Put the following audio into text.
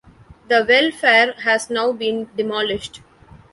The welfare has now been demolished.